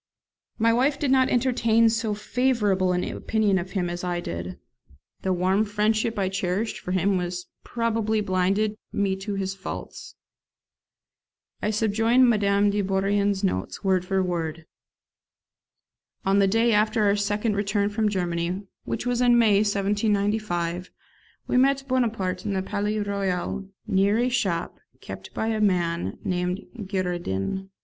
My wife did not entertain so favourable an opinion of him as I did; the warm friendship I cherished for him probably blinded me to his faults. I subjoin Madame de Bourrienne's notes, word for word: On the day after our second return from Germany, which was in May 1795, we met Bonaparte in the Palais Royal, near a shop kept by a man named Girardin.